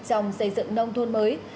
trong xây dựng nông thôn mới